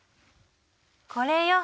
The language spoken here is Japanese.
これよ。